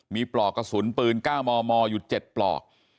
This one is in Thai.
มีปลอกกระสุนปืนเก้ามมอยู่เจ็ดปลอก